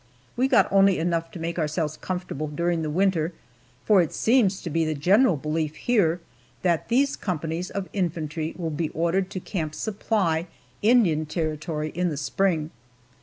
We got only enough to make ourselves comfortable during the winter, for it seems to be the general belief here that these companies of infantry will be ordered to Camp Supply, Indian Territory, in the spring.